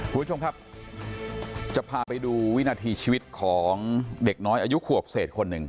คุณผู้ชมครับจะพาไปดูวินาทีชีวิตของเด็กน้อยอายุขวบเศษคนหนึ่ง